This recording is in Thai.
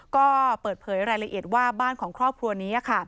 ก็เปิดเผยรายละเอียดว่าบ้านของครอบครัวนี้